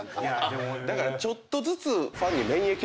だからちょっとずつ。